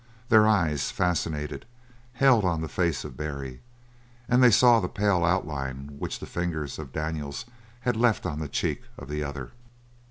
Their eyes, fascinated, held on the face of Barry, and they saw the pale outline which the fingers of Daniels had left on the cheek of the other.